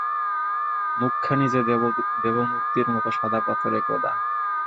মুখখানি যে দেবমূর্তির মতো সাদা-পাথরে কোঁদা।